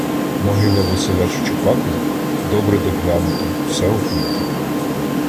Могила Василя Чучупаки добре доглянута, вся у квітах.